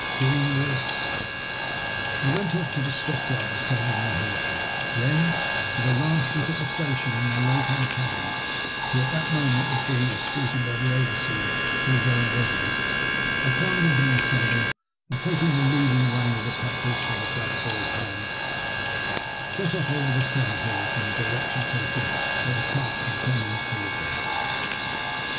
Seeing this I 14 THE LUST OF HATE. went off to tha stock yard and saddled my horses, then, with a last look at the station and my late antagonist, who at that moment was being escorted by the overseer to his own residence, I climbed into my saddle, and) taking the leading rein of the pack horse from the black boy's hand, set off over the sand hills in the direction taken by the cart containing poor Ben.